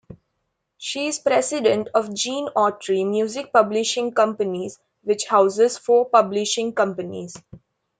She is President of Gene Autry Music Publishing Companies which houses four publishing companies.